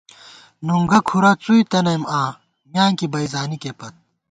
نُنگُہ کُھرَہ څُوئی تنَئیم آں، میانکی بئ زانِکےپت